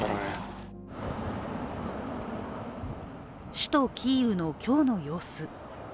首都キーウの今日の様子。